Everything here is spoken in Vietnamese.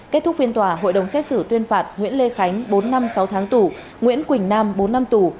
kết thúc phiên tòa hội đồng xét xử tuyên phạt nguyễn lê khánh bốn năm sáu tháng tù nguyễn quỳnh nam bốn năm tù